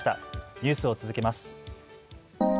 ニュースを続けます。